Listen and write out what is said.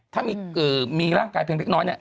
ถ้ามีร่างกายเพียงเล็กน้อยเนี่ย